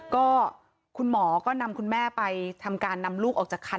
ก็คุณหมอก็นำคุณแม่ไปทำการนำลูกออกจากคัน